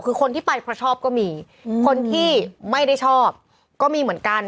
คือคนที่ไปเพราะชอบก็มีคนที่ไม่ได้ชอบก็มีเหมือนกัน